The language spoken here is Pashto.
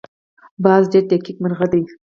باز ډېر دقیق مرغه دی